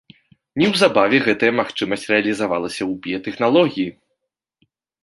Неўзабаве гэтая магчымасць рэалізавалася ў біятэхналогіі.